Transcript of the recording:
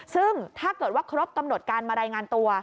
ซึ่งถ้าเกิดว่าครบกำหนดการมารายงานตัว